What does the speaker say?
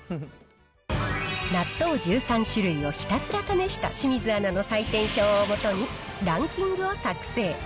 納豆１３種類をひたすら試した清水アナの採点表をもとに、ランキングを作成。